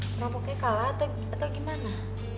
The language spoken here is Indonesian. perampoknya kalah atau gimana